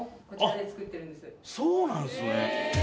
そうなんすね。